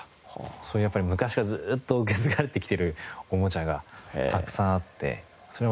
そういうやっぱり昔からずっと受け継がれてきてるおもちゃがたくさんあってそれまた面白かったですよね。